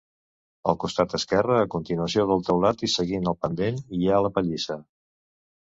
Al costat esquerre, a continuació del teulat i seguint el pendent, hi ha la pallissa.